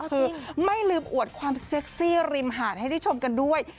คือไม่ลืมอวดความเซ็กซี่ริมหาดให้ได้ชมกันด้วย